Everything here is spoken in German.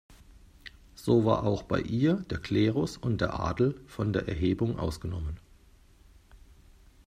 So war auch bei ihr der Klerus und der Adel von der Erhebung ausgenommen.